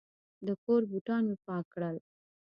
د کور بوټان مې پاک کړل.